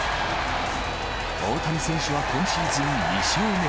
大谷選手は今シーズン２勝目。